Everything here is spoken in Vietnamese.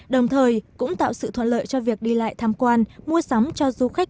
đồng thời cũng tạo sự thuận lợi cho việc đi lại tham quan mua sắm cho du khách